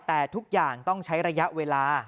แต่ทุกอย่างต้องใช้ระยะเวลา